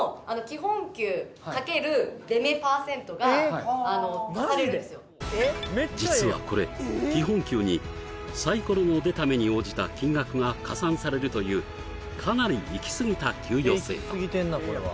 はいうちの会社実はこれ基本給にサイコロの出た目に応じた金額が加算されるというかなりイキスギた給与制度